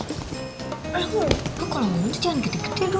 eh lo kalau ngomong itu jangan gede gede dulu